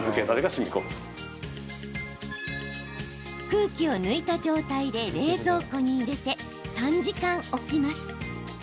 空気を抜いた状態で冷蔵庫に入れて３時間、置きます。